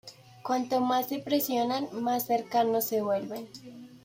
Cuanto más se presionan, más cercanos se vuelven.